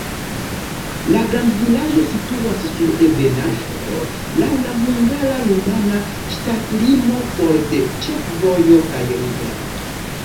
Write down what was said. La grandvilaĝo situas sur ebenaĵo, laŭ la hungara-rumana ŝtatlimo, for de ĉefvojo kaj rivero.